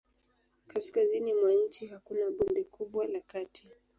Kaskazini mwa nchi hakuna bonde kubwa la kati.